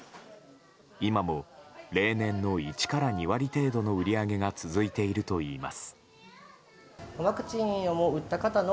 今も例年の１から２割程度の売り上げが続いているといいます。